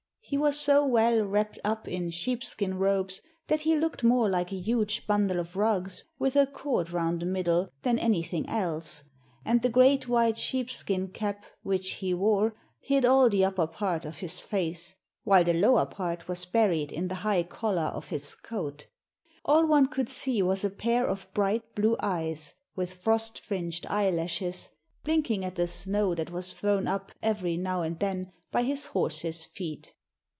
He was so well wrapped up in sheep skin robes that he looked more like a huge bundle of rugs, with a cord round the middle, than anything else, and the great white sheep skin cap which he wore hid all the upper part of his face, while the lower part was buried in the high collar of his coat. All one could see was a pair of bright blue eyes with frost fringed eyelashes, blinking at the snow that was thrown up every now and then by his horse's feet.